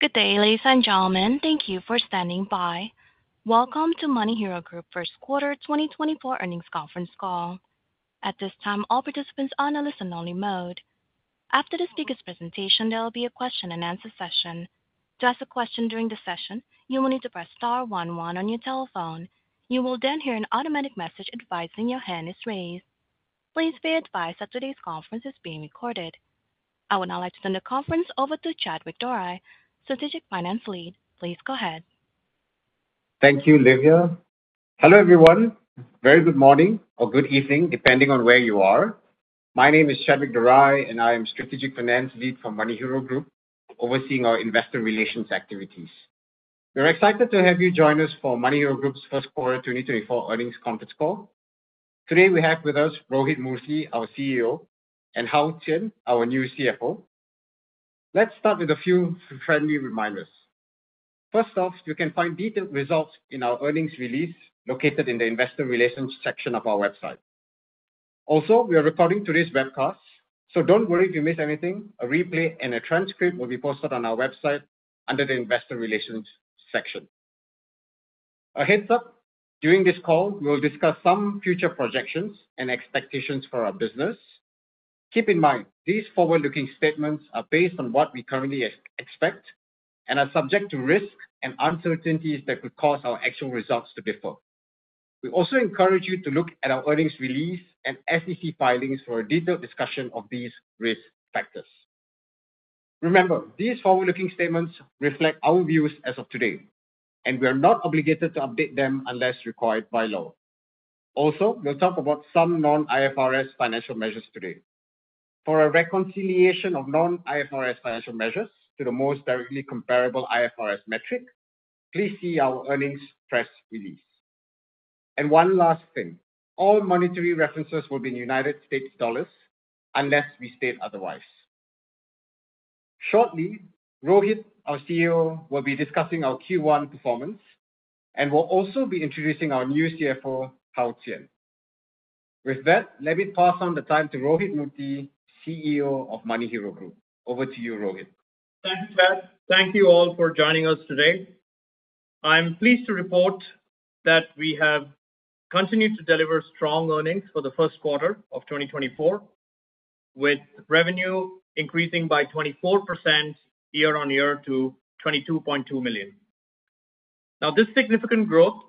Good day, ladies and gentlemen. Thank you for standing by. Welcome to MoneyHero Group First Quarter 2024 Earnings Conference Call. At this time, all participants are on a listen-only mode. After the speaker's presentation, there will be a question-and-answer session. To ask a question during the session, you will need to press star one one on your telephone. You will then hear an automatic message advising your hand is raised. Please be advised that today's conference is being recorded. I would now like to turn the conference over to Chadwick Dorai, Strategic Finance Lead. Please go ahead. Thank you, Olivia. Hello, everyone. Very good morning or good evening, depending on where you are. My name is Chadwick Dorai, and I am Strategic Finance Lead for MoneyHero Group, overseeing our investor relations activities. We're excited to have you join us for MoneyHero Group's First Quarter 2024 Earnings Conference Call. Today, we have with us Rohith Murthy, our CEO, and Hao Qian, our new CFO. Let's start with a few friendly reminders. First off, you can find detailed results in our earnings release located in the investor relations section of our website. Also, we are recording today's webcast, so don't worry if you miss anything. A replay and a transcript will be posted on our website under the investor relations section. A heads-up: during this call, we will discuss some future projections and expectations for our business. Keep in mind, these forward-looking statements are based on what we currently expect and are subject to risks and uncertainties that could cause our actual results to differ. We also encourage you to look at our earnings release and SEC filings for a detailed discussion of these risk factors. Remember, these forward-looking statements reflect our views as of today, and we are not obligated to update them unless required by law. Also, we'll talk about some non-IFRS financial measures today. For a reconciliation of non-IFRS financial measures to the most directly comparable IFRS metric, please see our earnings press release. And one last thing: all monetary references will be in United States dollars unless we state otherwise. Shortly, Rohith, our CEO, will be discussing our Q1 performance and will also be introducing our new CFO, Hao Qian. With that, let me pass on the time to Rohith Murthy, CEO of MoneyHero Group. Over to you, Rohith. Thank you, Chad. Thank you all for joining us today. I'm pleased to report that we have continued to deliver strong earnings for the first quarter of 2024, with revenue increasing by 24% year-on-year to $22.2 million. Now, this significant growth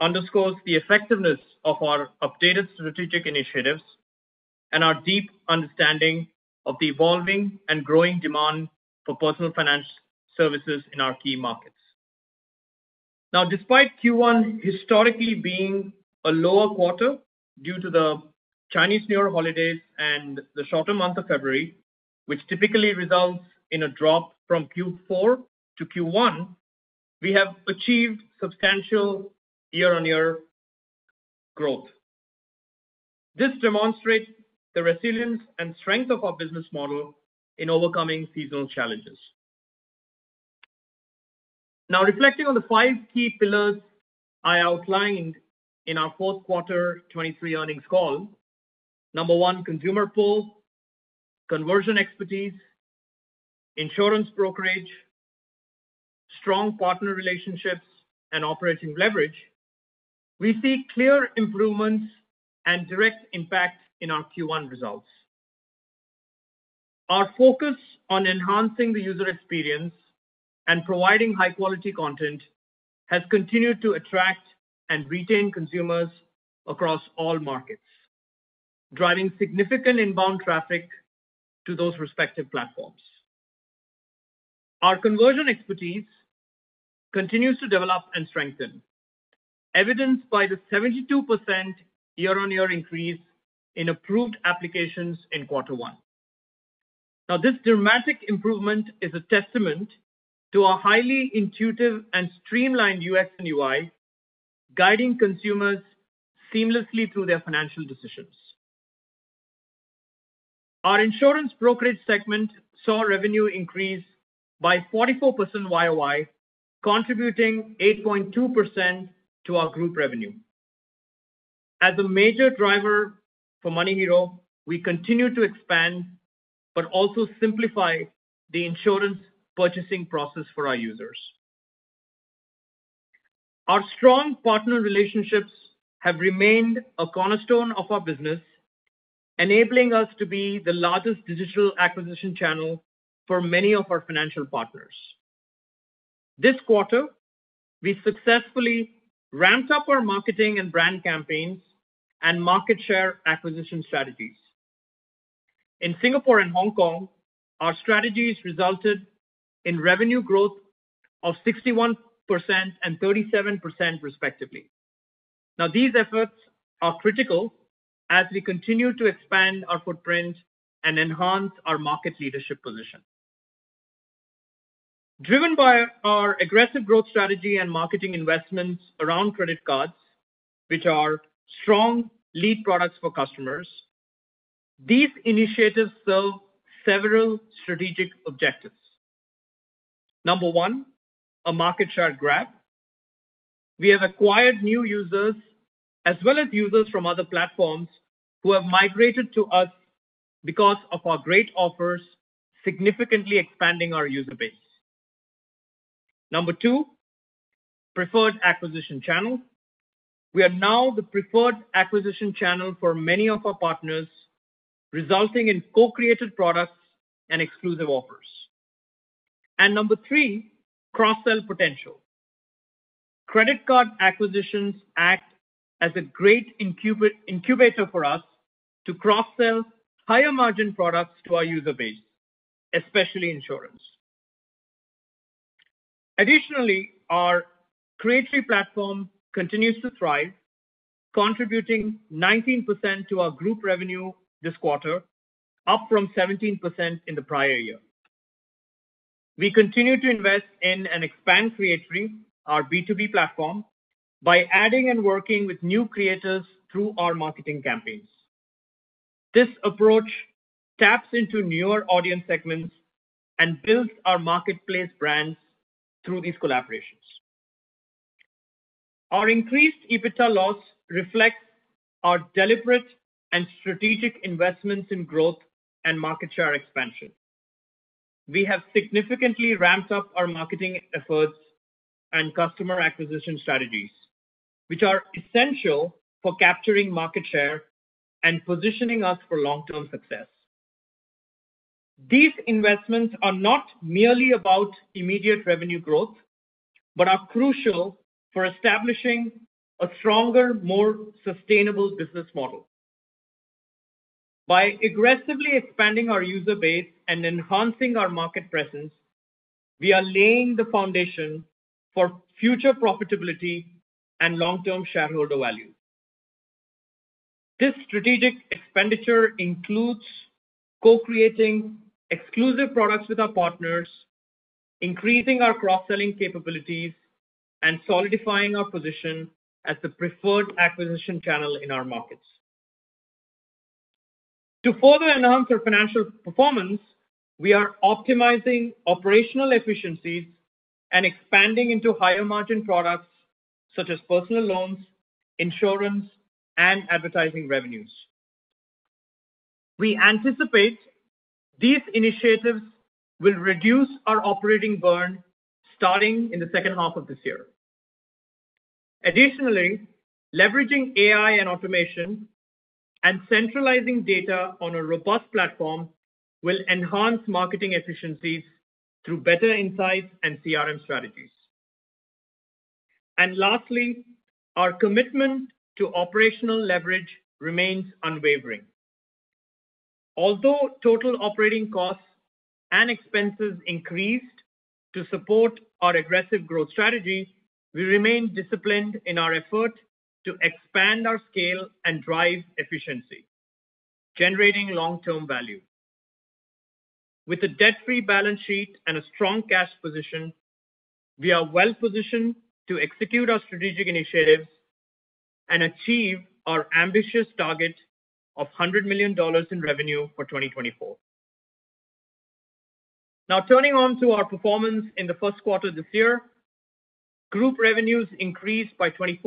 underscores the effectiveness of our updated strategic initiatives and our deep understanding of the evolving and growing demand for personal finance services in our key markets. Now, despite Q1 historically being a lower quarter due to the Chinese New Year holidays and the shorter month of February, which typically results in a drop from Q4 to Q1, we have achieved substantial year-on-year growth. This demonstrates the resilience and strength of our business model in overcoming seasonal challenges. Now, reflecting on the 5 key pillars I outlined in our Fourth Quarter 2023 earnings call: number 1, consumer pull, conversion expertise, insurance brokerage, strong partner relationships, and operating leverage, we see clear improvements and direct impact in our Q1 results. Our focus on enhancing the user experience and providing high-quality content has continued to attract and retain consumers across all markets, driving significant inbound traffic to those respective platforms. Our conversion expertise continues to develop and strengthen, evidenced by the 72% year-on-year increase in approved applications in Quarter 1. Now, this dramatic improvement is a testament to our highly intuitive and streamlined UX and UI, guiding consumers seamlessly through their financial decisions. Our insurance brokerage segment saw revenue increase by 44% YoY, contributing 8.2% to our group revenue. As a major driver for MoneyHero, we continue to expand but also simplify the insurance purchasing process for our users. Our strong partner relationships have remained a cornerstone of our business, enabling us to be the largest digital acquisition channel for many of our financial partners. This quarter, we successfully ramped up our marketing and brand campaigns and market share acquisition strategies. In Singapore and Hong Kong, our strategies resulted in revenue growth of 61% and 37%, respectively. Now, these efforts are critical as we continue to expand our footprint and enhance our market leadership position. Driven by our aggressive growth strategy and marketing investments around credit cards, which are strong lead products for customers, these initiatives serve several strategic objectives. Number one, a market share grab. We have acquired new users as well as users from other platforms who have migrated to us because of our great offers, significantly expanding our user base. Number two, preferred acquisition channel. We are now the preferred acquisition channel for many of our partners, resulting in co-created products and exclusive offers. And number 3, cross-sell potential. Credit card acquisitions act as a great incubator for us to cross-sell higher-margin products to our user base, especially insurance. Additionally, our Creatory platform continues to thrive, contributing 19% to our group revenue this quarter, up from 17% in the prior year. We continue to invest in and expand Creatory, our B2B platform, by adding and working with new creators through our marketing campaigns. This approach taps into newer audience segments and builds our marketplace brands through these collaborations. Our increased EBITDA loss reflects our deliberate and strategic investments in growth and market share expansion. We have significantly ramped up our marketing efforts and customer acquisition strategies, which are essential for capturing market share and positioning us for long-term success. These investments are not merely about immediate revenue growth but are crucial for establishing a stronger, more sustainable business model. By aggressively expanding our user base and enhancing our market presence, we are laying the foundation for future profitability and long-term shareholder value. This strategic expenditure includes co-creating exclusive products with our partners, increasing our cross-selling capabilities, and solidifying our position as the preferred acquisition channel in our markets. To further enhance our financial performance, we are optimizing operational efficiencies and expanding into higher-margin products such as personal loans, insurance, and advertising revenues. We anticipate these initiatives will reduce our operating burn starting in the second half of this year. Additionally, leveraging AI and automation and centralizing data on a robust platform will enhance marketing efficiencies through better insights and CRM strategies. Lastly, our commitment to operational leverage remains unwavering. Although total operating costs and expenses increased to support our aggressive growth strategy, we remain disciplined in our effort to expand our scale and drive efficiency, generating long-term value. With a debt-free balance sheet and a strong cash position, we are well-positioned to execute our strategic initiatives and achieve our ambitious target of $100 million in revenue for 2024. Now, turning to our performance in the first quarter this year, group revenues increased 24%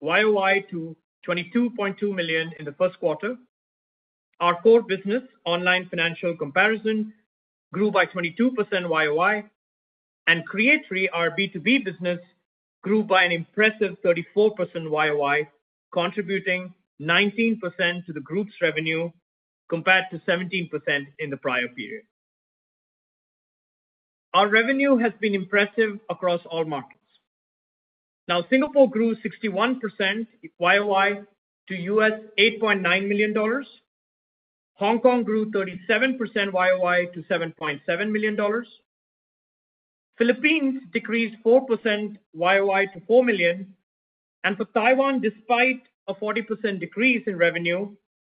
YoY to $22.2 million in the first quarter. Our core business, online financial comparison, grew 22% YoY, and Creatory, our B2B business, grew by an impressive 34% YoY, contributing 19% to the group's revenue compared to 17% in the prior period. Our revenue has been impressive across all markets. Now, Singapore grew 61% YoY to $8.9 million. Hong Kong grew 37% YoY to $7.7 million. Philippines decreased 4% YoY to $4 million. For Taiwan, despite a 40% decrease in revenue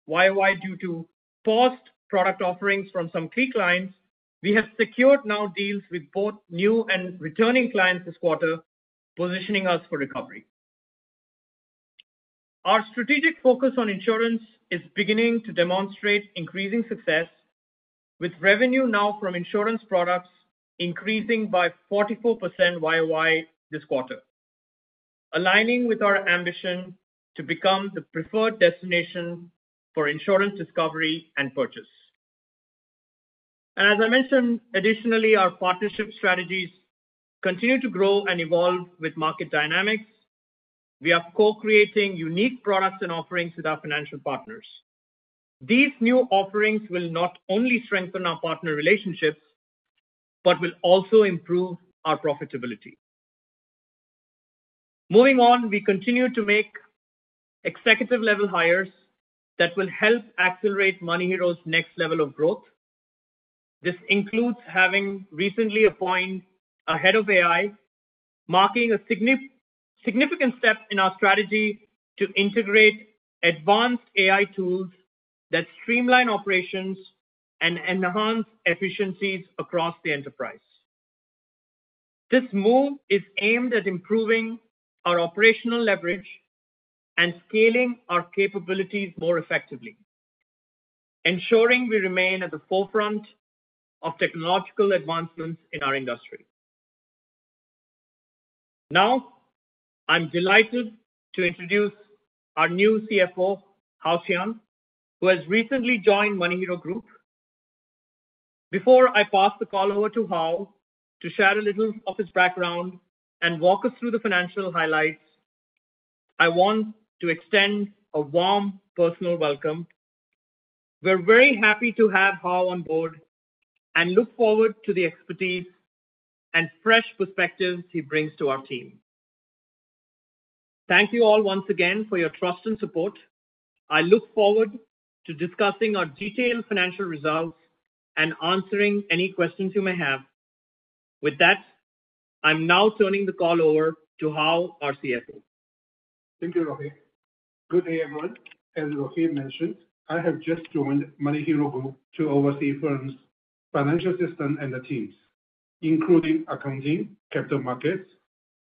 YoY due to paused product offerings from some key clients, we have secured new deals with both new and returning clients this quarter, positioning us for recovery. Our strategic focus on insurance is beginning to demonstrate increasing success, with revenue now from insurance products increasing by 44% YoY this quarter, aligning with our ambition to become the preferred destination for insurance discovery and purchase. And as I mentioned, additionally, our partnership strategies continue to grow and evolve with market dynamics. We are co-creating unique products and offerings with our financial partners. These new offerings will not only strengthen our partner relationships but will also improve our profitability. Moving on, we continue to make executive-level hires that will help accelerate MoneyHero's next level of growth. This includes having recently appointed a head of AI, marking a significant step in our strategy to integrate advanced AI tools that streamline operations and enhance efficiencies across the enterprise. This move is aimed at improving our operational leverage and scaling our capabilities more effectively, ensuring we remain at the forefront of technological advancements in our industry. Now, I'm delighted to introduce our new CFO, Hao Qian, who has recently joined MoneyHero Group. Before I pass the call over to Hao to share a little of his background and walk us through the financial highlights, I want to extend a warm personal welcome. We're very happy to have Hao on board and look forward to the expertise and fresh perspectives he brings to our team. Thank you all once again for your trust and support. I look forward to discussing our detailed financial results and answering any questions you may have. With that, I'm now turning the call over to Hao, our CFO. Thank you, Rohith. Good day, everyone. As Rohith mentioned, I have just joined MoneyHero Group to oversee the firm's financial systems and the teams, including accounting, capital markets,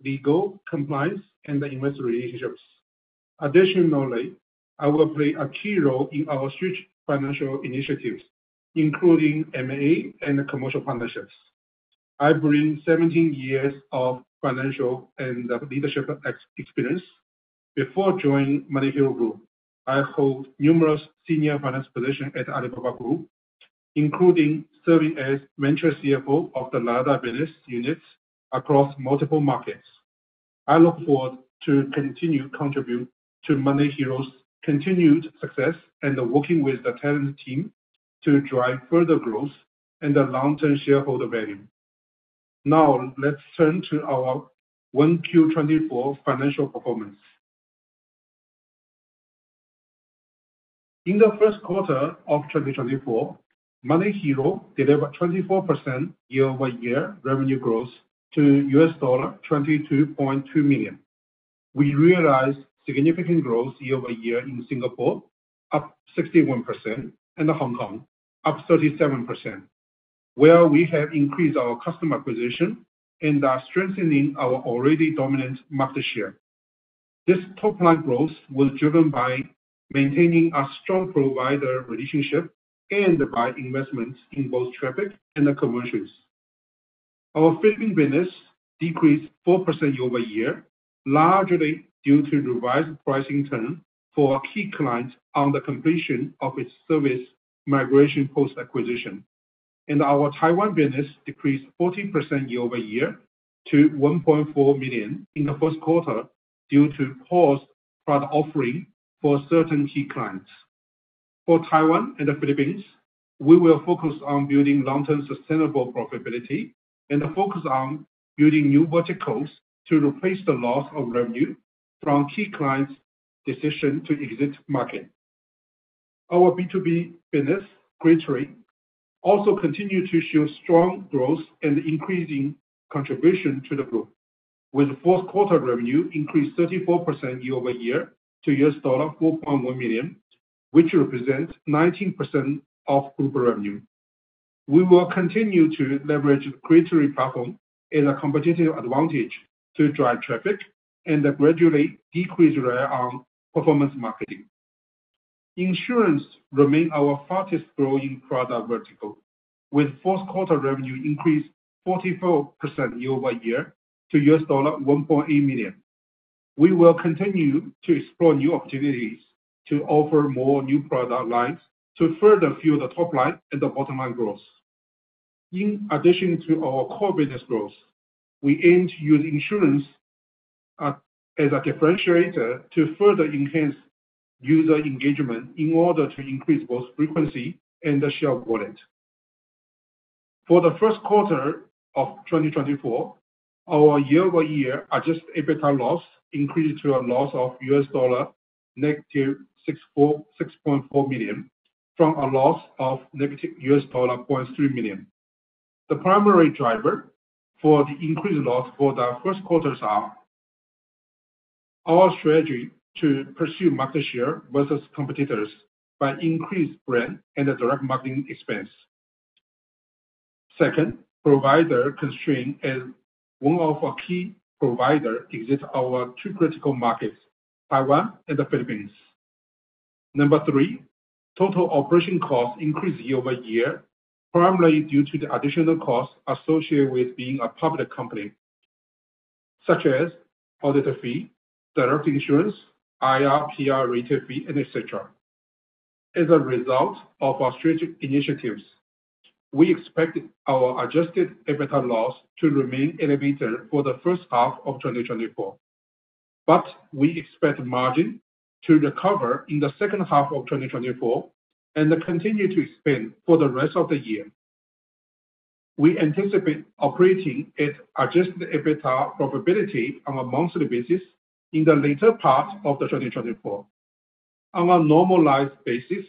legal, compliance, and investor relations. Additionally, I will play a key role in our huge financial initiatives, including M&A and commercial partnerships. I bring 17 years of financial and leadership experience. Before joining MoneyHero Group, I held numerous senior finance positions at Alibaba Group, including serving as vice CFO of the Lazada business units across multiple markets. I look forward to continuing to contribute to MoneyHero's continued success and working with the talented team to drive further growth and long-term shareholder value. Now, let's turn to our 1Q24 financial performance. In the first quarter of 2024, MoneyHero delivered 24% year-over-year revenue growth to $22.2 million. We realized significant growth year-over-year in Singapore, up 61%, and Hong Kong, up 37%, where we have increased our customer acquisition and are strengthening our already dominant market share. This top-line growth was driven by maintaining our strong provider relationship and by investments in both traffic and the conversions. Our Philippine business decreased 4% year-over-year, largely due to revised pricing terms for key clients on the completion of its service migration post-acquisition. Our Taiwan business decreased 40% year-over-year to $1.4 million in the first quarter due to paused product offering for certain key clients. For Taiwan and the Philippines, we will focus on building long-term sustainable profitability and focus on building new verticals to replace the loss of revenue from key clients' decision to exit the market. Our B2B business, Creatory, also continues to show strong growth and increasing contribution to the group, with the fourth quarter revenue increased 34% year-over-year to $4.1 million, which represents 19% of group revenue. We will continue to leverage the Creatory platform as a competitive advantage to drive traffic and gradually decrease our own performance marketing. Insurance remains our fastest-growing product vertical, with fourth quarter revenue increased 44% year-over-year to $1.8 million. We will continue to explore new opportunities to offer more new product lines to further fuel the top-line and the bottom-line growth. In addition to our core business growth, we aim to use insurance as a differentiator to further enhance user engagement in order to increase both frequency and the share of wallet. For the first quarter of 2024, our year-over-year Adjusted EBITDA loss increased to a loss of $6.4 million from a loss of $0.3 million. The primary driver for the increased loss for the first quarters is our strategy to pursue market share versus competitors by increased brand and direct marketing expense. Second, provider constraint as one of our key providers exits our two critical markets, Taiwan and the Philippines. Number three, total operating costs increased year-over-year, primarily due to the additional costs associated with being a public company, such as auditor fee, direct insurance, IR/PR retainer fee, etc. As a result of our strategic initiatives, we expect our adjusted EBITDA loss to remain elevated for the first half of 2024, but we expect margin to recover in the second half of 2024 and continue to expand for the rest of the year. We anticipate operating at adjusted EBITDA profitability on a monthly basis in the later part of 2024. On a normalized basis,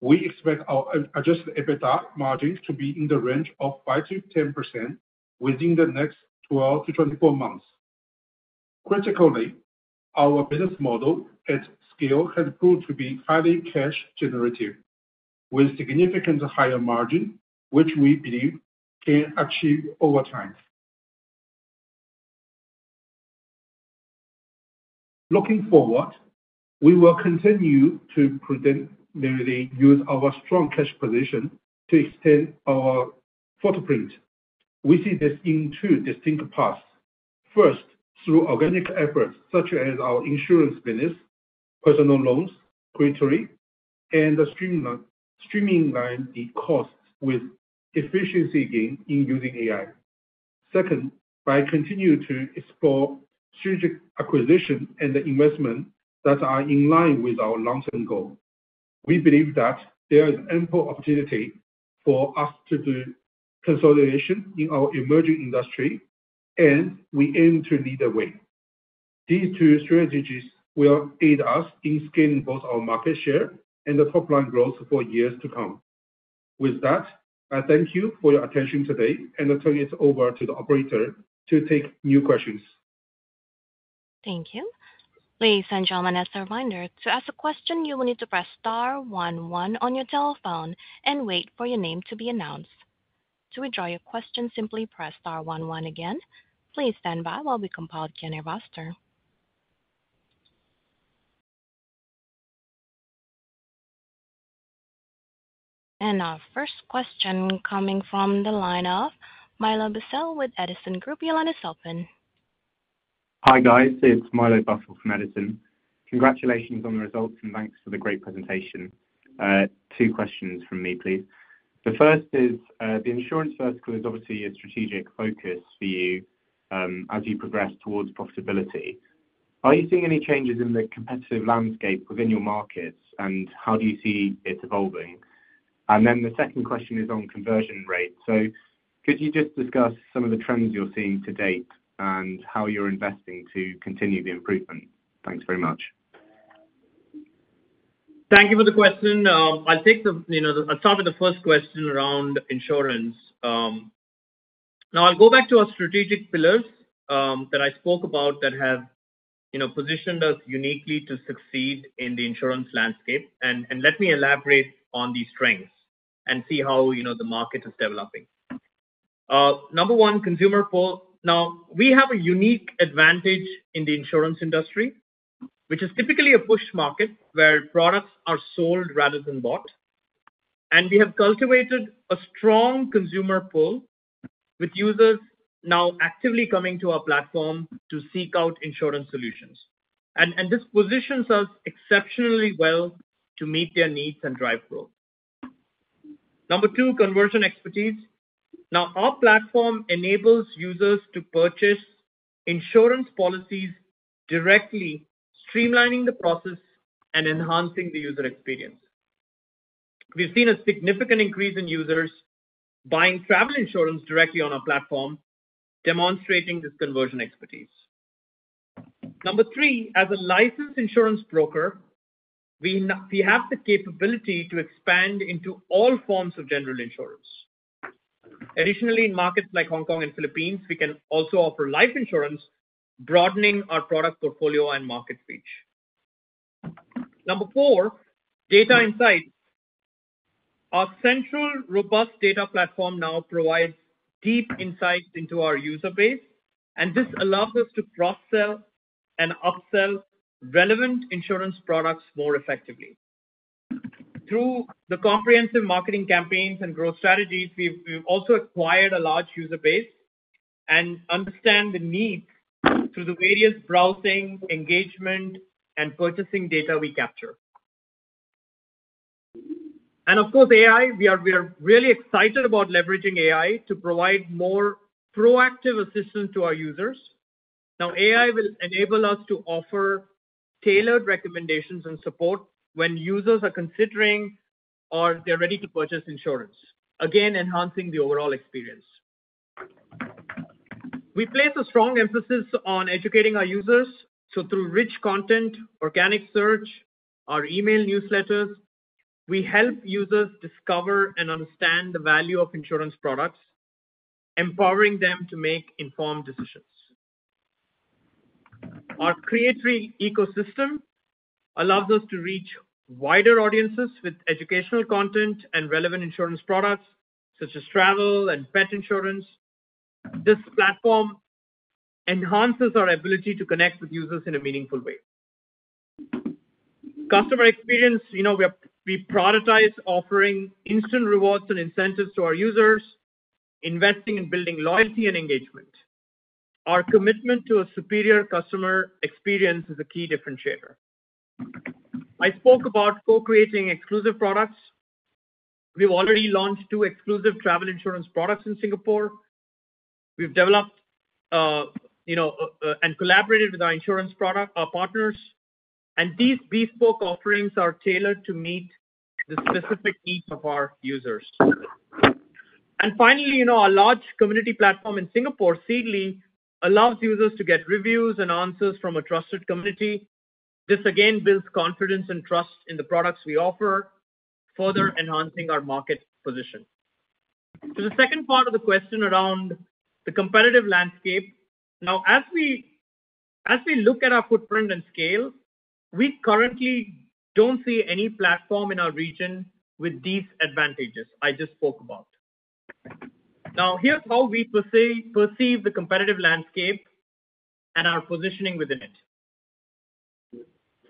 we expect our adjusted EBITDA margin to be in the range of 5%-10% within the next 12 to 24 months. Critically, our business model at scale has proved to be highly cash-generative, with significantly higher margin, which we believe can achieve over time. Looking forward, we will continue to primarily use our strong cash position to extend our footprint. We see this in two distinct paths. First, through organic efforts such as our insurance business, personal loans, Creatory, and streamlining the costs with efficiency gain in using AI. Second, by continuing to explore strategic acquisition and the investment that are in line with our long-term goal. We believe that there is ample opportunity for us to do consolidation in our emerging industry, and we aim to lead the way. These two strategies will aid us in scaling both our market share and the top-line growth for years to come. With that, I thank you for your attention today, and I'll turn it over to the operator to take new questions. Thank you. Please send your own manager a reminder to ask a question. You will need to press star one one on your telephone and wait for your name to be announced. To withdraw your question, simply press star one one again. Please stand by while we compile the Q&A roster. Our first question coming from the line of Milo Bussell with Edison Group. Your line is open. Hi, guys. It's Milo Bussell from Edison. Congratulations on the results, and thanks for the great presentation. Two questions from me, please. The first is, the insurance vertical is obviously a strategic focus for you as you progress towards profitability. Are you seeing any changes in the competitive landscape within your markets, and how do you see it evolving? And then the second question is on conversion rate. So could you just discuss some of the trends you're seeing to date and how you're investing to continue the improvement? Thanks very much. Thank you for the question. I'll start with the first question around insurance. Now, I'll go back to our strategic pillars that I spoke about that have positioned us uniquely to succeed in the insurance landscape. Let me elaborate on these strengths and see how the market is developing. Number one, consumer pull. Now, we have a unique advantage in the insurance industry, which is typically a push market where products are sold rather than bought. We have cultivated a strong consumer pull with users now actively coming to our platform to seek out insurance solutions. This positions us exceptionally well to meet their needs and drive growth. Number two, conversion expertise. Now, our platform enables users to purchase insurance policies directly, streamlining the process and enhancing the user experience. We've seen a significant increase in users buying travel insurance directly on our platform, demonstrating this conversion expertise. Number three, as a licensed insurance broker, we have the capability to expand into all forms of general insurance. Additionally, in markets like Hong Kong and Philippines, we can also offer life insurance, broadening our product portfolio and market reach. Number four, data insights. Our central robust data platform now provides deep insights into our user base, and this allows us to cross-sell and upsell relevant insurance products more effectively. Through the comprehensive marketing campaigns and growth strategies, we've also acquired a large user base and understand the needs through the various browsing, engagement, and purchasing data we capture. And of course, AI, we are really excited about leveraging AI to provide more proactive assistance to our users. Now, AI will enable us to offer tailored recommendations and support when users are considering or they're ready to purchase insurance, again, enhancing the overall experience. We place a strong emphasis on educating our users. So through rich content, organic search, our email newsletters, we help users discover and understand the value of insurance products, empowering them to make informed decisions. Our Creatory ecosystem allows us to reach wider audiences with educational content and relevant insurance products such as travel and pet insurance. This platform enhances our ability to connect with users in a meaningful way. Customer experience, we prioritize offering instant rewards and incentives to our users, investing in building loyalty and engagement. Our commitment to a superior customer experience is a key differentiator. I spoke about co-creating exclusive products. We've already launched two exclusive travel insurance products in Singapore. We've developed and collaborated with our insurance partners. These bespoke offerings are tailored to meet the specific needs of our users. Finally, our large community platform in Singapore, Seedly, allows users to get reviews and answers from a trusted community. This, again, builds confidence and trust in the products we offer, further enhancing our market position. To the second part of the question around the competitive landscape. Now, as we look at our footprint and scale, we currently don't see any platform in our region with these advantages I just spoke about. Now, here's how we perceive the competitive landscape and our positioning within it.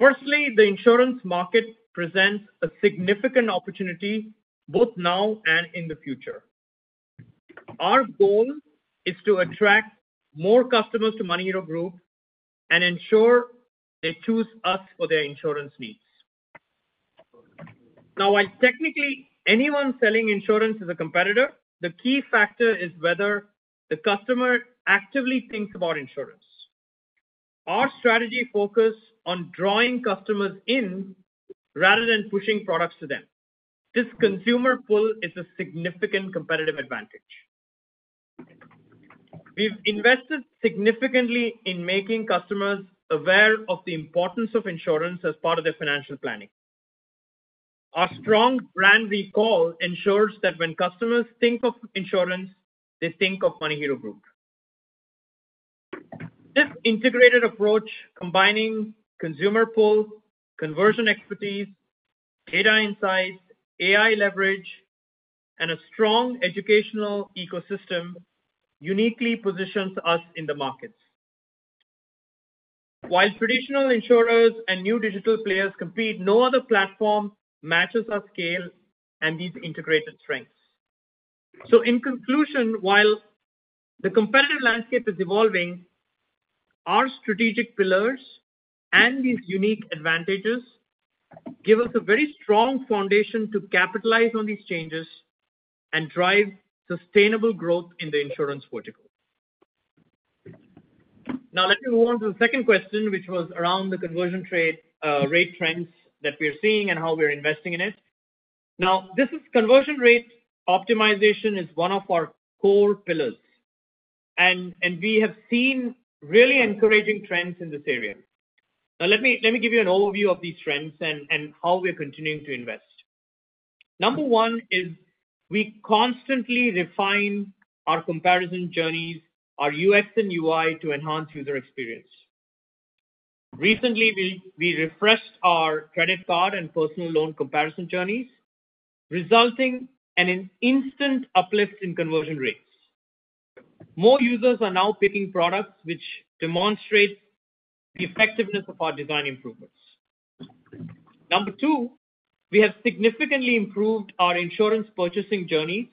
Firstly, the insurance market presents a significant opportunity both now and in the future. Our goal is to attract more customers to MoneyHero Group and ensure they choose us for their insurance needs. Now, while technically anyone selling insurance is a competitor, the key factor is whether the customer actively thinks about insurance. Our strategy focuses on drawing customers in rather than pushing products to them. This consumer pull is a significant competitive advantage. We've invested significantly in making customers aware of the importance of insurance as part of their financial planning. Our strong brand recall ensures that when customers think of insurance, they think of MoneyHero Group. This integrated approach, combining consumer pull, conversion expertise, data insights, AI leverage, and a strong educational ecosystem, uniquely positions us in the markets. While traditional insurers and new digital players compete, no other platform matches our scale and these integrated strengths. In conclusion, while the competitive landscape is evolving, our strategic pillars and these unique advantages give us a very strong foundation to capitalize on these changes and drive sustainable growth in the insurance vertical. Now, let me move on to the second question, which was around the conversion rate trends that we're seeing and how we're investing in it. Now, this conversion rate optimization is one of our core pillars, and we have seen really encouraging trends in this area. Now, let me give you an overview of these trends and how we're continuing to invest. Number one is we constantly refine our comparison journeys, our UX and UI to enhance user experience. Recently, we refreshed our credit card and personal loan comparison journeys, resulting in an instant uplift in conversion rates. More users are now picking products which demonstrate the effectiveness of our design improvements. Number two, we have significantly improved our insurance purchasing journeys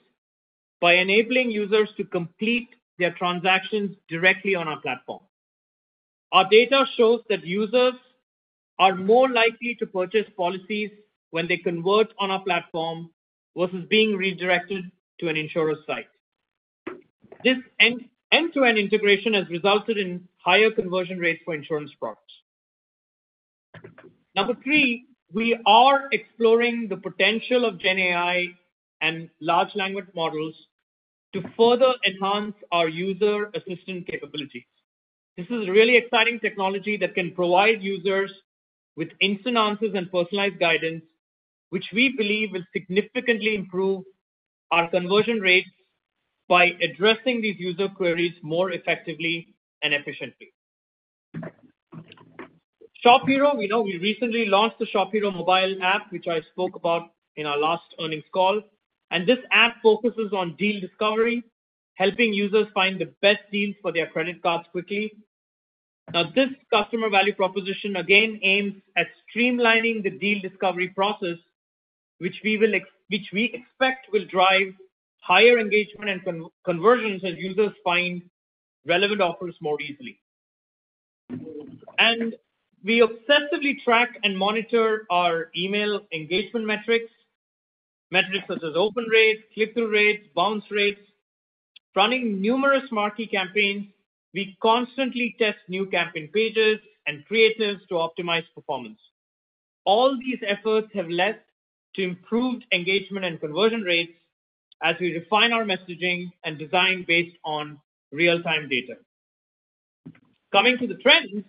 by enabling users to complete their transactions directly on our platform. Our data shows that users are more likely to purchase policies when they convert on our platform versus being redirected to an insurer's site. This end-to-end integration has resulted in higher conversion rates for insurance products. Number three, we are exploring the potential of GenAI and large language models to further enhance our user assistant capabilities. This is a really exciting technology that can provide users with instant answers and personalized guidance, which we believe will significantly improve our conversion rates by addressing these user queries more effectively and efficiently. ShopHero, we recently launched the ShopHero mobile app, which I spoke about in our last earnings call. This app focuses on deal discovery, helping users find the best deals for their credit cards quickly. Now, this customer value proposition, again, aims at streamlining the deal discovery process, which we expect will drive higher engagement and conversions as users find relevant offers more easily. We obsessively track and monitor our email engagement metrics, metrics such as open rates, click-through rates, bounce rates. Running numerous marquee campaigns, we constantly test new campaign pages and creatives to optimize performance. All these efforts have led to improved engagement and conversion rates as we refine our messaging and design based on real-time data. Coming to the trends,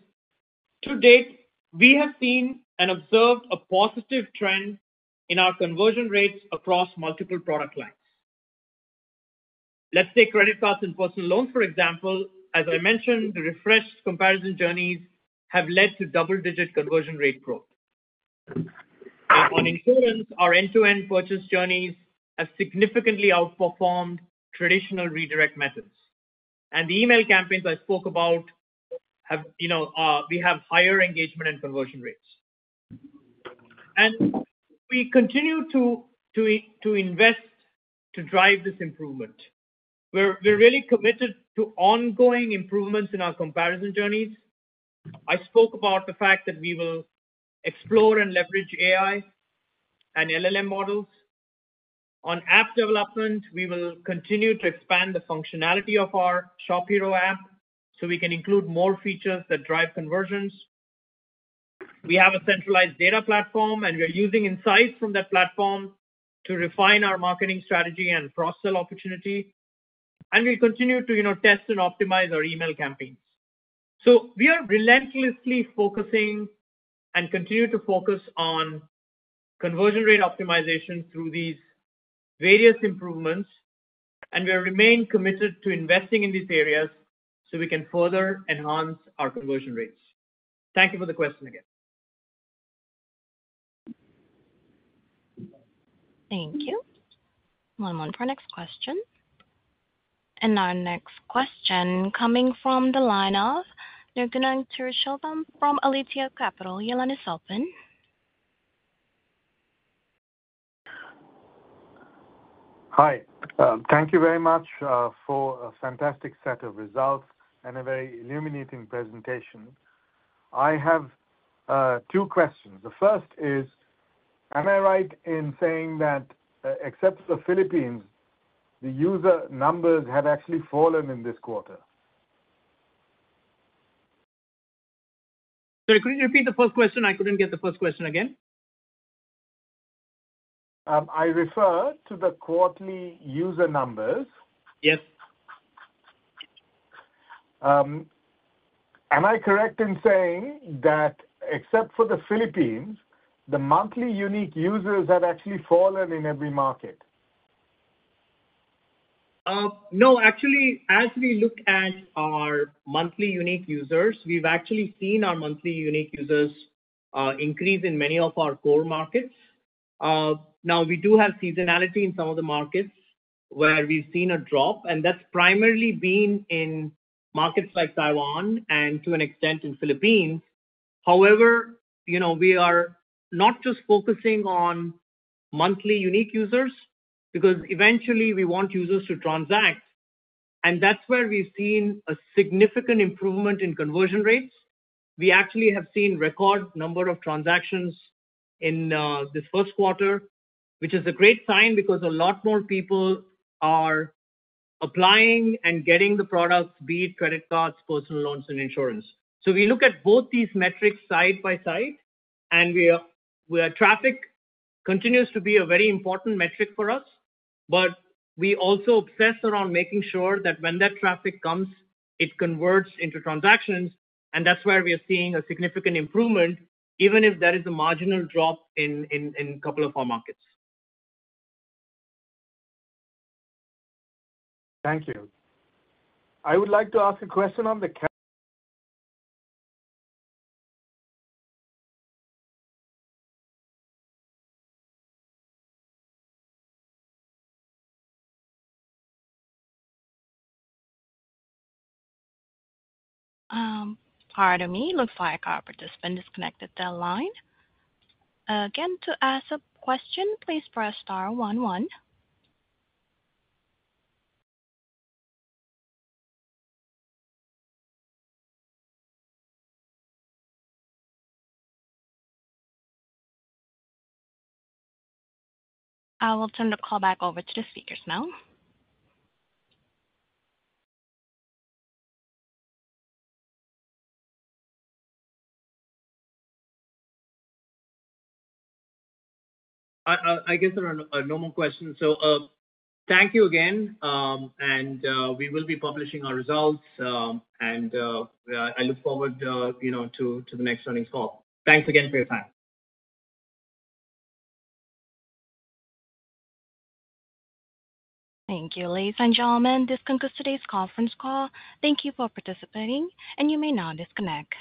to date, we have seen and observed a positive trend in our conversion rates across multiple product lines. Let's take credit cards and personal loans, for example. As I mentioned, the refreshed comparison journeys have led to double-digit conversion rate growth. On insurance, our end-to-end purchase journeys have significantly outperformed traditional redirect methods. The email campaigns I spoke about, we have higher engagement and conversion rates. We continue to invest to drive this improvement. We're really committed to ongoing improvements in our comparison journeys. I spoke about the fact that we will explore and leverage AI and LLM models. On app development, we will continue to expand the functionality of our ShopHero app so we can include more features that drive conversions. We have a centralized data platform, and we're using insights from that platform to refine our marketing strategy and cross-sell opportunity. We'll continue to test and optimize our email campaigns. We are relentlessly focusing and continue to focus on conversion rate optimization through these various improvements. We'll remain committed to investing in these areas so we can further enhance our conversion rates. Thank you for the question again. Thank you. One moment for our next question. Our next question coming from the line of Nirgunan Tiruchelvam from Aletheia Capital, your line is open. Hi. Thank you very much for a fantastic set of results and a very illuminating presentation. I have two questions. The first is, am I right in saying that except for the Philippines, the user numbers have actually fallen in this quarter? Sorry, could you repeat the first question? I couldn't get the first question again. I refer to the quarterly user numbers. Yes. Am I correct in saying that except for the Philippines, the monthly unique users have actually fallen in every market? No, actually, as we look at our monthly unique users, we've actually seen our monthly unique users increase in many of our core markets. Now, we do have seasonality in some of the markets where we've seen a drop, and that's primarily been in markets like Taiwan and to an extent in the Philippines. However, we are not just focusing on monthly unique users because eventually, we want users to transact. And that's where we've seen a significant improvement in conversion rates. We actually have seen a record number of transactions in this first quarter, which is a great sign because a lot more people are applying and getting the products: be it credit cards, personal loans, and insurance. So we look at both these metrics side by side, and traffic continues to be a very important metric for us. But we also obsess around making sure that when that traffic comes, it converts into transactions. And that's where we are seeing a significant improvement, even if there is a marginal drop in a couple of our markets. Thank you. I would like to ask a question on the— Pardon me, it looks like our participant disconnected their line. Again, to ask a question, please press star one one. I will turn the call back over to the speakers now. I guess there are no more questions. Thank you again. We will be publishing our results. I look forward to the next earnings call. Thanks again for your time. Thank you, ladies and gentlemen. This concludes today's conference call. Thank you for participating, and you may now disconnect.